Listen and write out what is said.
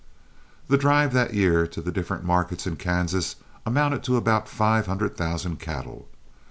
The drive that year to the different markets in Kansas amounted to about five hundred thousand cattle.